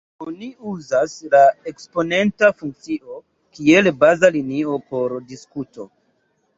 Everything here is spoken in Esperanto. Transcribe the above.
Oni uzas la eksponenta funkcio kiel 'baza linio' por diskuto.